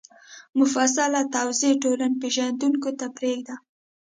مفصله توضیح ټولنپېژندونکو ته پرېږدي